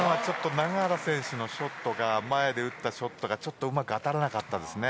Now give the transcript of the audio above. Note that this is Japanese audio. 永原選手の前で打ったショットがちょっとうまく当たらなかったんですね。